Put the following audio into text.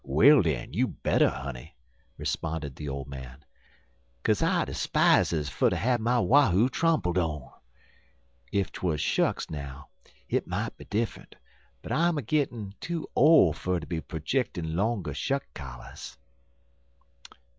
"Well, den, you better, honey," responded the old man, "kaze I 'spizes fer ter have my wahoo trompled on. Ef 'twuz shucks, now, hit mout be diffunt, but I'm a gittin' too ole fer ter be projickin' 'longer shuck collars."